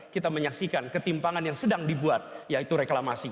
kita menyaksikan ketimpangan yang sedang dibuat yaitu reklamasi